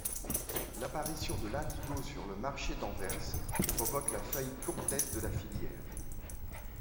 L'apparition de l'indigo sur le marché d'Anvers provoque la faillite complète de la filière.